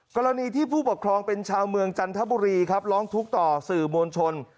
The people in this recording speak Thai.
กรณีที่ผู้ปกครองเป็นชาวเมืองจันทบุรีครับร้องทุกข์ต่อสื่อมวลชน